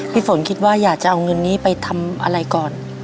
ฝนคิดว่าอยากจะเอาเงินนี้ไปทำอะไรก่อน